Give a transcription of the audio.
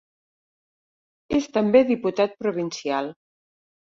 És també diputat provincial.